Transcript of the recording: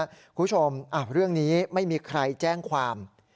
คุณผู้ชมเรื่องนี้ไม่มีใครแจ้งความ